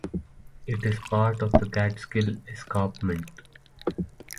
It is part of the Catskill Escarpment.